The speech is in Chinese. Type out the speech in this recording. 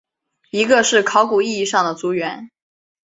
一个是考古意义上的族源。